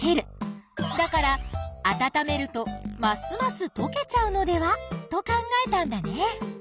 だから温めるとますますとけちゃうのでは？と考えたんだね。